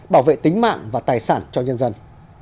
bảo vệ tính mạng và tài sản cho nhân dân